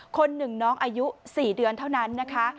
คนหนึ่งน้องอายุ๔เดือนเท่านั้นนะคะ